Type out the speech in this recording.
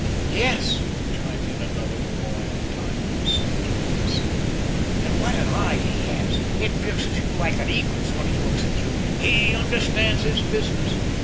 "Yes," chimed in another before I had time to assent or dissent, "and what an eye he has; it pierces you like an eagle's when he looks at you. He understands his business."